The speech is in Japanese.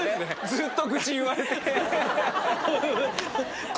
ずっと愚痴言われて。